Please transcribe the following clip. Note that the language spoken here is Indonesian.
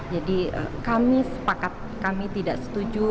jadi kami sepakat kami tidak setuju